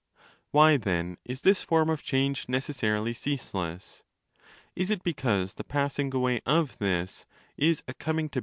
25 Why, then, is this form of change necessarily ceaseless? Is it because the passing away of ¢his is a coming to be of 1 Physics ©.